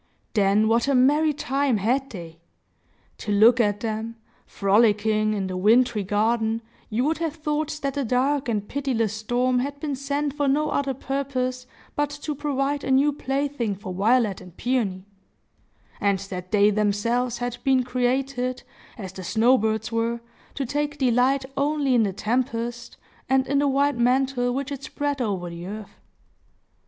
Then what a merry time had they! To look at them, frolicking in the wintry garden, you would have thought that the dark and pitiless storm had been sent for no other purpose but to provide a new plaything for Violet and Peony; and that they themselves had been created, as the snow birds were, to take delight only in the tempest, and in the white mantle which it spread over the earth.